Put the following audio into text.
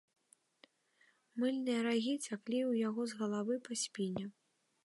Мыльныя рагі цяклі ў яго з галавы па спіне.